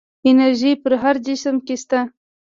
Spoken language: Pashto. انرژي په هر جسم کې شته.